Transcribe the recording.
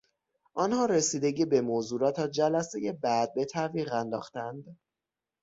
آنها رسیدگی به موضوع را تا جلسهی بعد به تعویق انداختند.